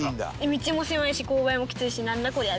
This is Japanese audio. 道も狭いし勾配もきついし「なんだこりゃ？」